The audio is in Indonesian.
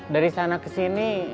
dari sana kesini